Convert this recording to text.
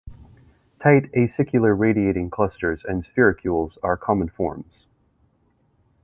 Tight acicular radiating clusters and sphericules are common forms.